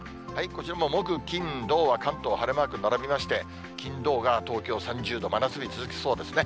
こちらも木、金、土は関東晴れマーク並びまして、金土が、東京３０度、真夏日続きそうですね。